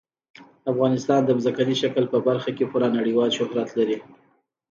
افغانستان د ځمکني شکل په برخه کې پوره نړیوال شهرت لري.